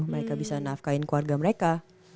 mereka bisa nafkahin keluarga mereka